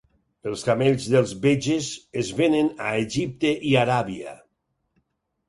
Els camells dels beges es venen a Egipte i Aràbia.